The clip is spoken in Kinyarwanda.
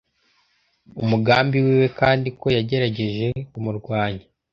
umugambi wiwe kandi ko yagerageje kumurwanya